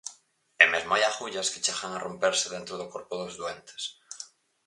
E mesmo hai agullas que chegan a romperse dentro do corpo dos doentes.